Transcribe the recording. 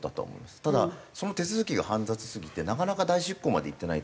ただその手続きが煩雑すぎてなかなか代執行までいってないと。